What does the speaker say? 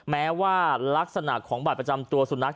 แม้ว่าลักษณะของบัตรประจำตัวสุนัข